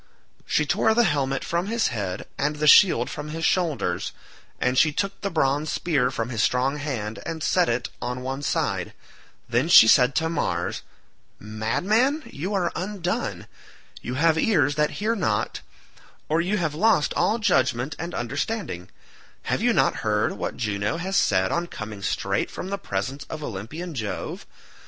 She tore the helmet from his head and the shield from his shoulders, and she took the bronze spear from his strong hand and set it on one side; then she said to Mars, "Madman, you are undone; you have ears that hear not, or you have lost all judgement and understanding; have you not heard what Juno has said on coming straight from the presence of Olympian Jove?